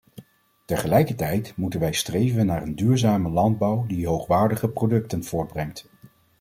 Tegelijkertijd moeten wij streven naar een duurzame landbouw die hoogwaardige producten voortbrengt.